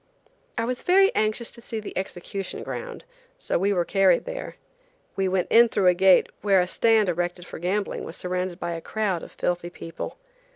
I was very anxious to see the execution ground, so we were carried there. We went in through a gate where a stand erected for gambling was surrounded by a crowd of filthy people.